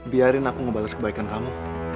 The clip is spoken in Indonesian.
biarin aku ngebalas kebaikan kamu